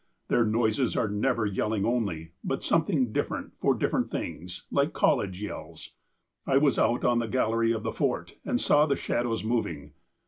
(Their noises are never yelling only, but something different for differ ent things, like college yells.) I was out on the gallery of the fort, and saw the shadows moving.